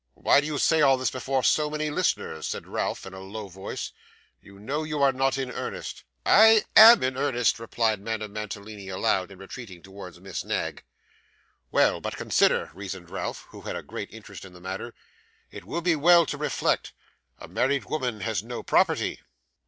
'Why do you say all this before so many listeners?' said Ralph, in a low voice. 'You know you are not in earnest.' 'I AM in earnest,' replied Madame Mantalini, aloud, and retreating towards Miss Knag. 'Well, but consider,' reasoned Ralph, who had a great interest in the matter. 'It would be well to reflect. A married woman has no property.